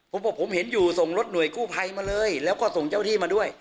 ผมบอกผมเห็นอยู่ส่งรถหน่วยกู้ภัยมาเลยแล้วก็ส่งเจ้าที่มาด้วย